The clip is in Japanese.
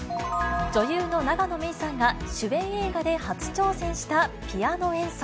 女優の永野芽郁さんが主演映画で初挑戦したピアノ演奏。